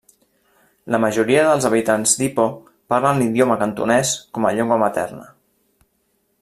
La majoria dels habitants d'Ipoh parlen l'idioma cantonès com a llengua materna.